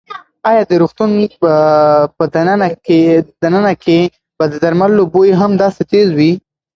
ایا د روغتون په دننه کې به د درملو بوی هم داسې تېز وي؟